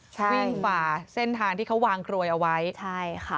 ใช่วิ่งฝ่าเส้นทางที่เขาวางกรวยเอาไว้ใช่ค่ะ